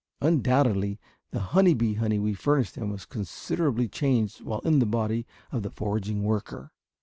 Undoubtedly the honey bee honey we furnished them was considerably changed while in the body of the foraging worker.